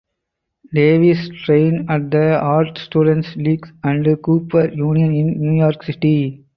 Davies trained at the Art Students League and Cooper Union in New York City.